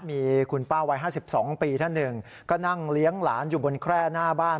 มีคุณป้าวัย๕๒ปีท่านหนึ่งก็นั่งเลี้ยงหลานอยู่บนแคร่หน้าบ้าน